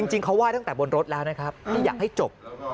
จริงเขาไห้ตั้งแต่บนรถแล้วนะครับไม่อยากให้จบ